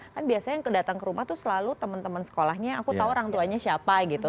kan biasanya yang datang ke rumah tuh selalu teman teman sekolahnya aku tahu orang tuanya siapa gitu